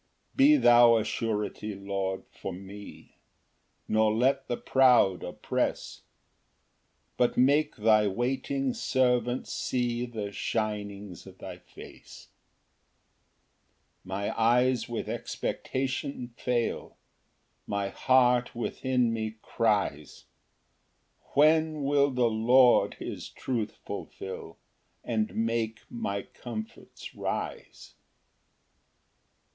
3 Be thou a surety, Lord, for me, Nor let the proud oppress; But make thy waiting servant see The shinings of thy face. Ver. 82. 4 My eyes with expectation fail, My heart within me cries, "When will the Lord his truth fulfil, "And make my comforts rise?" Ver.